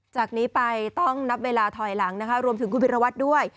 จากนี้ไปต้องนับเวลาถอยหลังนะคะรวมถึงคุณพิรวัตรด้วย